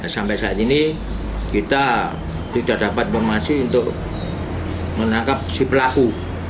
sampai saat ini kita tidak dapat informasi untuk menangkap si pelaku